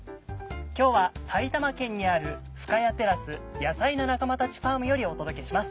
今日は埼玉県にある深谷テラスヤサイな仲間たちファームよりお届けします。